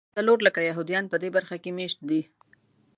څلور لکه یهودیان په دې برخه کې مېشت دي.